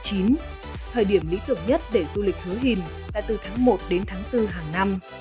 thời điểm lý tưởng nhất để du lịch hứa hẹn là từ tháng một đến tháng bốn hàng năm